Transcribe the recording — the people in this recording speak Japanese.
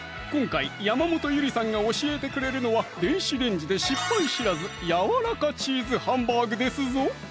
今回山本ゆりさんが教えてくれるのは電子レンジで失敗知らず「やわらかチーズハンバーグ」ですぞ